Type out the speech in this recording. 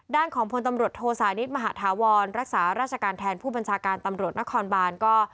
ด้านของพลตำรวจโทสานิทมหาธาวรรักษาราชการแทนผู้บัญชาการตำรวจนครบานก็